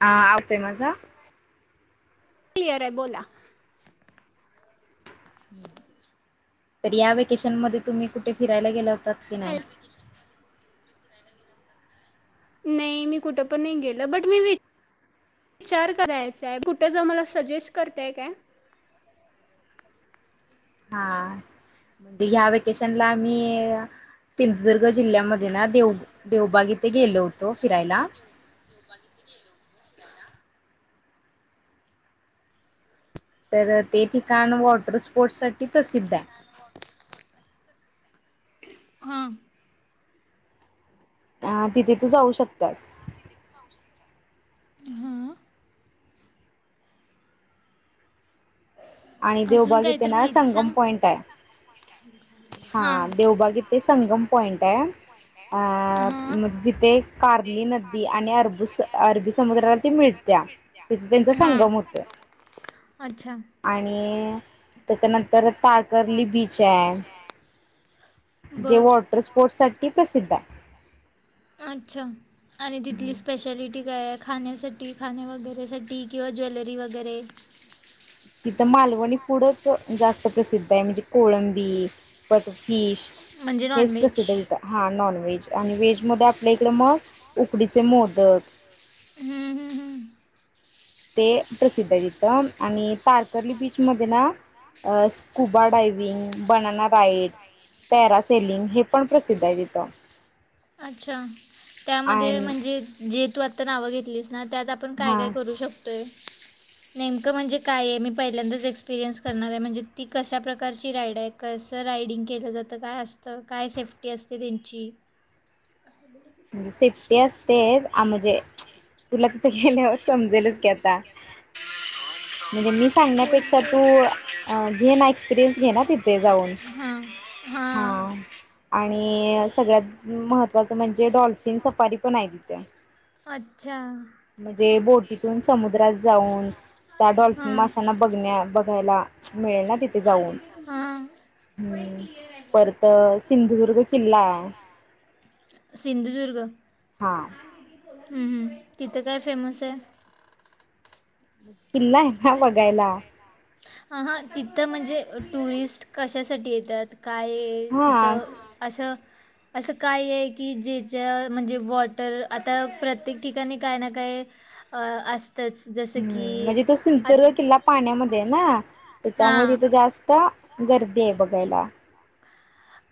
हा ते माझा क्लिअर आहे बोला. तर या वेकेशन मध्ये तुम्ही कुठे फिरायला गेला. तत की नाय. नाही मी कुठ पण नाही गेलं, बट मी विचार करायचाय कुठ जाऊ मला सजेस्ट करताय काय? हा ह्या व्हेकेशनला आम्ही सिंदुर्ग ग जिल्ह्यामध्ये ना देवू देवबाग इथे गेलो होतो फिरायला. तर ते ठिकाण वॉटर स्पोर्ट् साठी प्रसिद्ध हाय. हां आ तिथे तू जाऊ शकतास. हां आणि अजून देवबाग येथे काहीतरी ना माहिती संगम सांग पॉइंट आहे. हां हा देवबाग येथे संगम पॉइंट आहे अ हां म्हणजे जिथे कार्ली नदी आणि अरब अरबी समुद्राला त मिळत्या तिथे त्यांचा हां संगम होतोय. अच्छा आणि त्याच्यानंतर तारकर्ली बीच आहे. जे बर वॉटर स्पोर्ट्स साठी प्रसिद्ध आहे. अच्छा आणि तिथली स्पेशालिटी काय आह. खाण्यासाठी खाण्या वगैरेसाठी किंवा ज्वेलरी वगैरे कित तर मालवणी फूडच जास्त प्रसिद्ध आहे म्हणजे कोळंबी प तशिश म्हणजे तेच नॉनव्हेज प्रसिद्ध आहं तिथं हा नॉन व्हेज आणि वेज मध्ये आपल्या इकड मग उकडीचे मोदक हम्म हम्म हम्म ते प्रसिद्ध तिथं आणि तारकर्ली बीचमध्ये ना scuba diving banana ride parasailing हे पण प्रसिद्ध आहे तिथं. अच्छा त्यामध्ये आणि म्हणजे जे तू आता नाव घे ना त्यात आपण काय हा काय करू शकतोय. नेमकं म्हणजे काय आहे मी पहिल्यांदाच एक्सपिरियन्स करणार आहे. म्हणजे ती कशा प्रकारची राइड आहे. कसं रायडिंग केलं जातं. काय असतं काय सेफ्टी असते त्यांची सेफ्टी असतेच आ म्हणजे तुला तिथं गेल्यावरच समजेलच कि आता म्हणजे मी सांगण्यापेक्षा तू घे ना एक्सपिरीएन्स घे ना तिथे जाऊन हां हां आणि सगळ्यात महत्वाच जे डॉल्फिन सफारी पण आहेत तिथं अच्छा म्हणजे बोटीतून समुद्रात जाऊन त्या डॉल्फिन हां माशांना बघण्या बघायला मिळेल ना तिथे जाऊन हां हम् परत सिंधुदुर्ग किल्ला सिंधुदूर्ग हा हम्म हम् तिथं काय फेमस हाय किल्ला आहे हा बघायला. ह हा तिथं म्हणजे टुरिस्ट कशासाठी येत्यात? काय हा तिथं असं? असं काय आहे की जेच्या म्हणजे वॉटर आता प्रत्येक ठिकाणी काय ना काय अस तच जसं की हम्म म्हणजे तो आज तिच्यामुळं तिथं जास्त गर्दी आहे बघायला.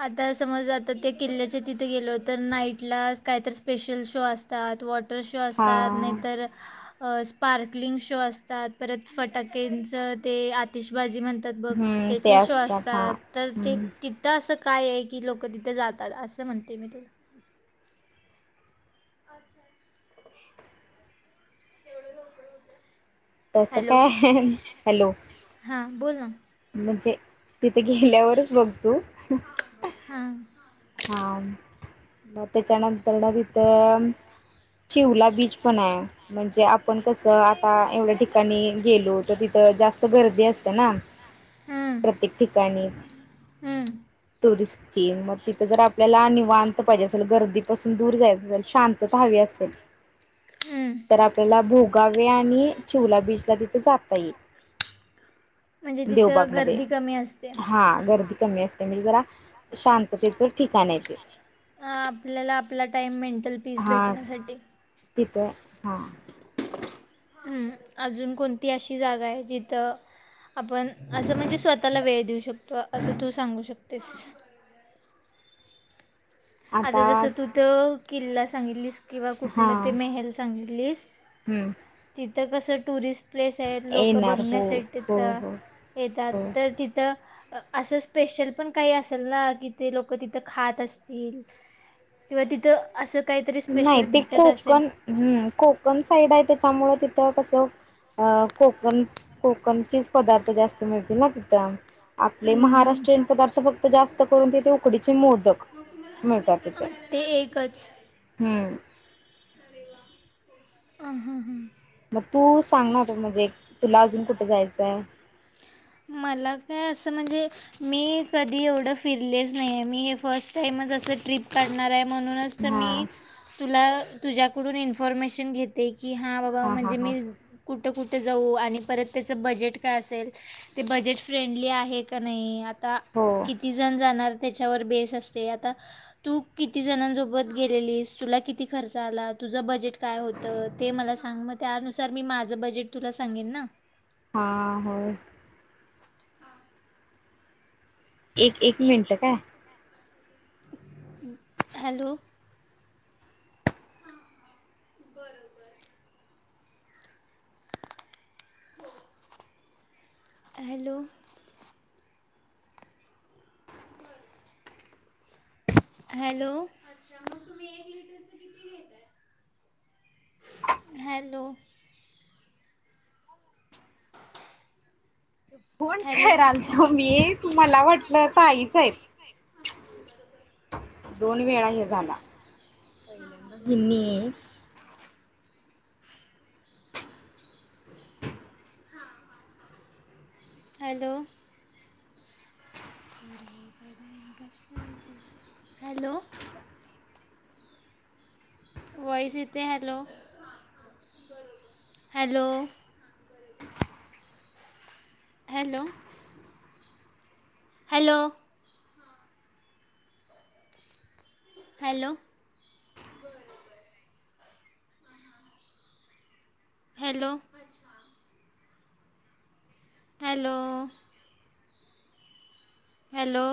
आता समज आता ते किल्ल्याच्या तिथे गेलो तर नाईटला काहीतर स्पेशल शो असतात वॉट वॉटर शो हा असतात नाहीतर, अ स्पार्कलिंग शो असतात परत फटाक्यांच ते आतिशबाजी जे म्हणतात बघ हम्म ते त्याचे शो हा असतात तर ते हम्म तिथं अस काय आहे की लोक तिथे जातात असं म्हणते मी तुला अच्छा तसं हॅलो काय हॅलो? हां बोल ना म्हणजे तिथे गेल्यावरच बघतो. हां हां मग त्याच्यानंतर न तिथं चिवला बीच पण हाय म्हणजे आपण कसं आता एवढ्या ठिकाणी गेलो तर तिथं जास्त गर्दी असत्या ना हं, प्रत्येक ठिकाणी हं, टुरिस्ट ते मग तिथं जर आपल्याला निवांत पाहिजे असेल, गर्दीपासून दूर जायचं असेल, शांतता हवी असेल, हं. तर आपल्याला भोगावे आणि चिवला बीचला तिथे जाता येईल म्हणजे देवबाग तिथं मध्ये गर्दी कमी असते हा गर्दी कमी असतिया म्हणजे जरा [unintelligible] ठिकाण आहे ते हां आपल्याला आपला टाईम मेंटल पीस भेटण्यासाठी तिथ हां हम् अजून कोणती अशी जागा आहे जिथं आपण असं म्हणजे स्वतःला वेळ देऊ शकतो असं तू सांगू शकतेस. आता जसं तू तर, किल्ला सांगितलीस. किंवा हा कुठलं ते मेहेल सांगी लिस्ट हम्म इथ कसं टुरिस्ट प्लेस आहेत लोकं येणार हो बघण्यासाठी हो तिथं हो येतात तर तिथं असं स्पेशल पण काही असेल ना, की ते लोक तिथं खात असतील. किंवा तिथं असं काहीतरी नाही स्पेशल ते भेटत असेल कोकण हम्म कोकण साईड आहे त्याच्यामुळ तिथं कसं अ कोकण कोकणचेच पदार्थ जास्त मिळतील ना तिथं. आपले हम्म, महाराष्ट्रीयन पदार्थ फक्त जास्त करून तिथे उकडीचे मोदक मिळतात तिथे. ते एकच हम आ हा हा मग तू सांग ना तर, म्हणजे तुला अजून कुठे जायचंय. मला काय असं म्हणजे मी कधी एवढं फिरलेच नाही मी हे फस्ट टाइमच अस ट्रिप काढणार आहे. म्हणूनच तर हा मी तुला तुझ्याकडून इन्फॉर्मेशन घेतेय. की हा बाबा हा म्हणजे हा मी कुठ कुठं कुठे जाऊ आणि परत त्याचं बजेट काय असेल. ते बजेट फ्रेंडली आहे का नाही? आता हो किती जण जाणार? त्याच्यावर बेस असते, आता तू किती जणांसोबत गेलेलीस तुला किती खर्च आला. तुझं बजेट काय होतं. ते मला सांग मग त्यानुसार मी माझं बजेट तुला सांगिन ना. हा, होय. एक एक मिनट काय हॅलो हा हा बरोबर हो hello hello hello [unintelligible] phone hello फेरालतो मी तू मला वाटलं ताईच आहेत दोन वेळा हे झाला हिनी हॅलो हॅलो वॉइस येते hello hello hello hello hello hello hello hello